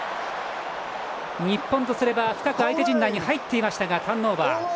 日本とすれば深く相手陣内に入っていたがターンオーバー。